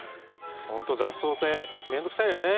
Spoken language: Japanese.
本当雑草って面倒くさいよね。